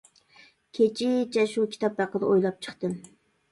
كېچىچە شۇ كىتاب ھەققىدە ئويلاپ چىقتىم.